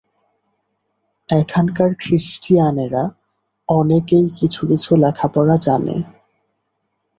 এখানকার খ্রীষ্টিয়ানেরা অনেকেই কিছু কিছু লেখাপড়া জানে।